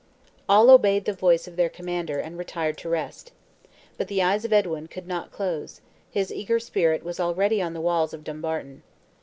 All obeyed the voice of their commander, and retired to rest. But the eyes of Edwin could not close; his eager spirit was already on the walls of Dumbarton.